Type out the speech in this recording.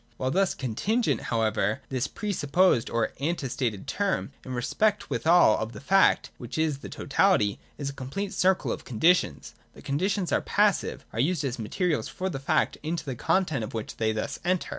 While thus contin gent, however, this pre supposed or ante stated term, in respect withal of the fact, which is the totality, is a complete circle of conditions. (3) The conditions are passive, are used as materials for the fact, into the content of which they thus enter.